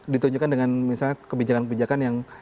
ditunjukkan dengan misalnya kebijakan kebijakan yang